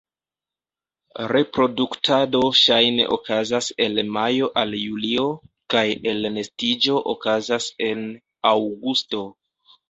Reproduktado ŝajne okazas el majo al julio, kaj elnestiĝo okazas en aŭgusto.